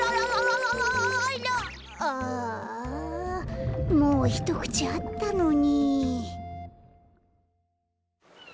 ああもうひとくちあったのに。